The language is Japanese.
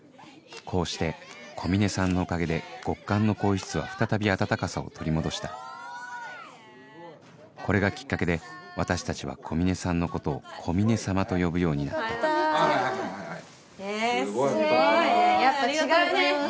こうして小峰さんのおかげで極寒の更衣室は再び暖かさを取り戻したこれがきっかけで私たちは小峰さんのことを「小峰様」と呼ぶようになったすごいねやっぱ違うね。